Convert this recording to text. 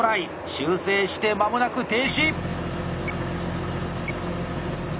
修正して間もなく停止！